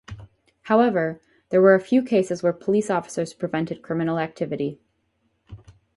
However, there were a few cases where police officers prevented criminal activity.